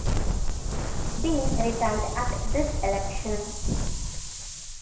Dean retired at this election.